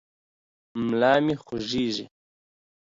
ملا مې خوږېږي.